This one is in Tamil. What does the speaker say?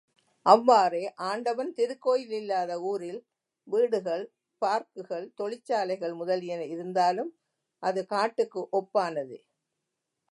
அவ்வாறே ஆண்டவன் திருக்கோயில் இல்லாத ஊரில் வீடுகள், பார்க்குகள், தொழிற்சாலைகள் முதலியன இருந்தாலும் அது காட்டுக்கு ஒப்பானதே.